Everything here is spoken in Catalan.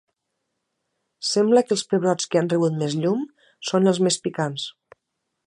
Sembla que els pebrots que han rebut més llum són els més picants.